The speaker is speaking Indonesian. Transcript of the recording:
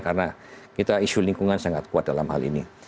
karena isu lingkungan sangat kuat dalam hal ini